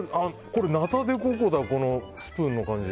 これナタデココだスプーンの感じ。